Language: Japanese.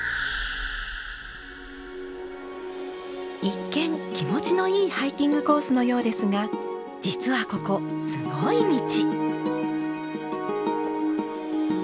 一見気持ちのいいハイキングコースのようですが実はここすごい道。